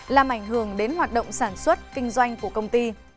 làm ảnh hưởng đến hoạt động sản xuất kinh doanh của công ty